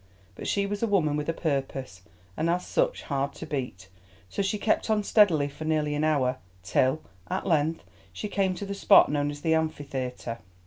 But she was a woman with a purpose, and as such, hard to beat. So she kept on steadily for nearly an hour, till, at length, she came to the spot known as the Amphitheatre.